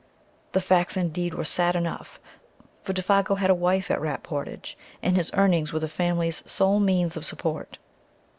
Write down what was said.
The facts, indeed, were sad enough, for Défago had a wife at Rat Portage, and his earnings were the family's sole means of support.